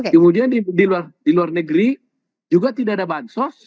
kemudian di luar negeri juga tidak ada bansos